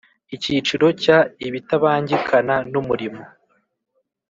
Icyiciro cya ibitabangikana n umurimo